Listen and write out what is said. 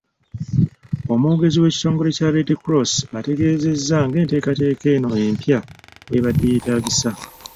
Omwogezi w'ekitongole kya Red Cross, ategeezezza ng'enteekateeka eno empya bw'ebadde yeetaagisa .